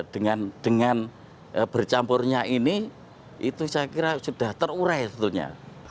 dengan bercampurnya ini itu saya kira sudah terurai tentunya